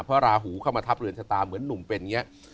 เพราะราหูเข้ามาทับเรือนชะตาเหมือนหนุ่มเป็นอย่างนี้